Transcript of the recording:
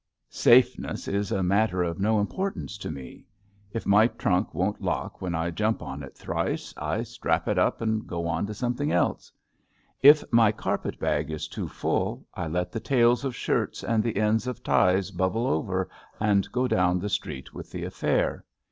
Safeness is a matter of no importance to me. GEIFFITHS THE SAFE MAN 63 If my trunk won't lock when I jump on it thrice^ I strap it up and go on to something else. If my carpet bag is too full, I let the tails of shirts and the ends of ties bubble over and go down the street with the affair.